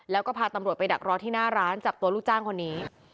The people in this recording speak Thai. แล้วก็พาตำรวจไปดักรอที่หน้าร้านจับตัวลูกจ้างคนนี้